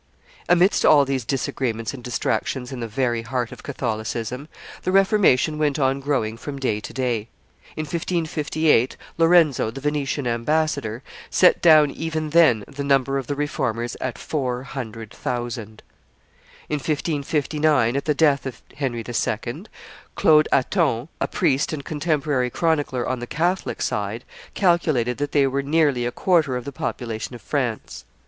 Amidst all these disagreements and distractions in the very heart of Catholicism, the Reformation went on growing from day to day. In 1558, Lorenzo, the Venetian ambassador, set down even then the number of the Reformers at four hundred thousand. In 1559, at the death of Henry II., Claude Haton, a priest and contemporary chronicler on the Catholic side, calculated that they were nearly a quarter of the population of France.